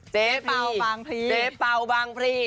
เจ๊เปล่าบางพรี